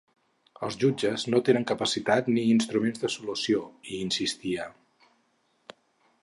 Els jutges no tenen capacitat ni instruments de solució, hi insistia.